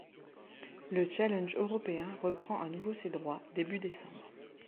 Le Challenge européen reprend à nouveau ses droits début décembre.